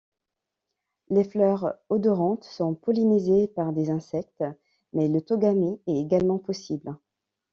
Les fleurs odorantes sont pollinisées par des insectes, mais l’autogamie est également possible.